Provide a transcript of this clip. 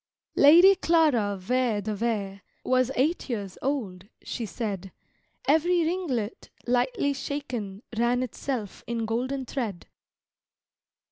Lady Clara Vere de Vere Was eight years old, she said: Every ringlet, lightly shaken, ran itself in golden thread.